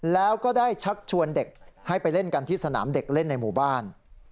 แล้วก็ได้ชักชวนเด็กให้ไปเล่นกันที่สนามเด็กเล่นในหมู่บ้าน